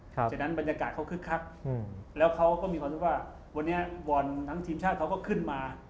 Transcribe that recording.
ฉะนั้นบรรยากาศเขาคึกคักแล้วเขาก็มีความรู้สึกว่าวันนี้บอลทั้งทีมชาติเขาก็ขึ้นมา